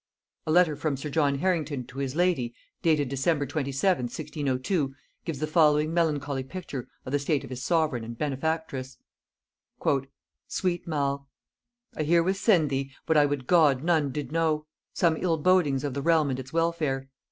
A letter from sir John Harrington to his lady, dated December 27th, 1602, gives the following melancholy picture of the state of his sovereign and benefactress. "Sweet Mall; "I herewith send thee what I would God none did know, some ill bodings of the realm and its welfare.